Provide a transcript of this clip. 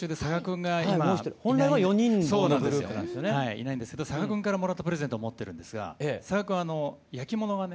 いないんですけど佐賀君からもらったプレゼントを持ってるんですが佐賀君は焼き物がね